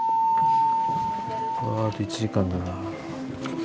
ああと１時間だな。